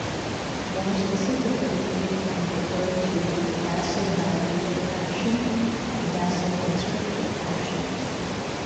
More specifically, it can refer to vasodilator action and vasoconstrictor action.